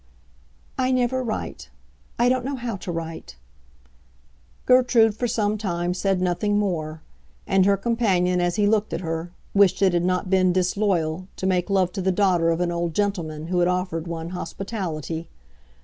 "I never write. I don't know how to write." Gertrude, for some time, said nothing more; and her companion, as he looked at her, wished it had not been "disloyal" to make love to the daughter of an old gentleman who had offered one hospitality.